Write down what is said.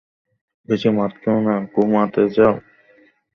বেশি মদ খেও না, ঘুমাতে যাও।